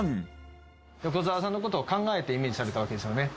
横澤さんの事を考えてイメージされたわけですよね。